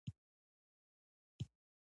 کېله د وجود د بیا رغونې لپاره ښه ده.